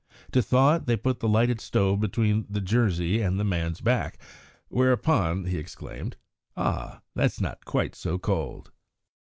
To thaw it, they put the lighted stove between the jersey and the man's back, whereupon he exclaimed, "Ah, that's not quite so cold."